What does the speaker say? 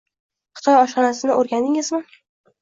- Xitoy oshxonasini o'rgandingizmi?